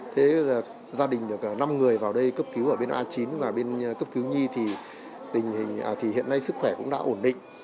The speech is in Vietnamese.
thế gia đình được năm người vào đây cấp cứu ở bên a chín và bên cấp cứu nhi thì hiện nay sức khỏe cũng đã ổn định